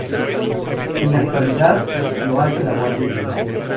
En la actualidad lo hace la Guardia Civil.